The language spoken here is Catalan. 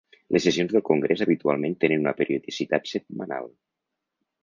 Les sessions del Congrés habitualment tenen una periodicitat setmanal.